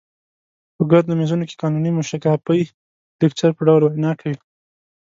په ګردو میزونو کې قانوني موشګافۍ د لیکچر په ډول وینا کوي.